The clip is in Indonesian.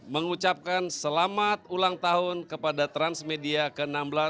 mengucapkan selamat ulang tahun kepada transmedia ke enam belas